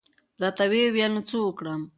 را ته وې ویل نو څه وکړم؟